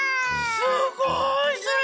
すごいそれ！